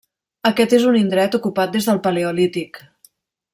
Aquest és un indret ocupat des del Paleolític.